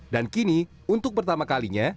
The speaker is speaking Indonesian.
dan kini untuk pertama kalinya